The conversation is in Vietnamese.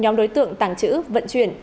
nhóm đối tượng tàng trữ vận chuyển